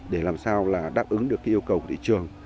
để làm sao là đáp ứng được cái yêu cầu của thị trường